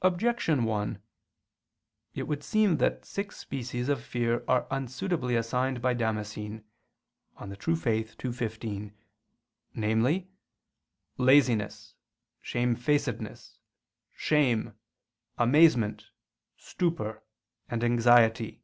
Objection 1: It would seem that six species of fear are unsuitably assigned by Damascene (De Fide Orth. ii, 15); namely, "laziness, shamefacedness, shame, amazement, stupor, and anxiety."